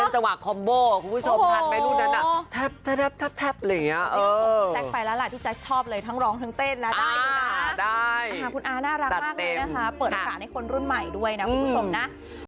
สวัสดีคุณอาเปิดอากาศให้คนรุ่นใหม่ด้วยนะคุณผู้ชมนะ